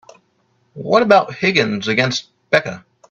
What about Higgins against Becca?